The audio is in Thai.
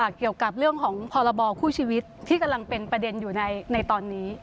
เกี่ยวกับเรื่องของพรบคู่ชีวิตที่กำลังเป็นประเด็นอยู่ในตอนนี้